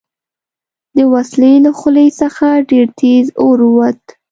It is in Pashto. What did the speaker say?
د وسلې له خولې څخه ډېر تېز اور ووت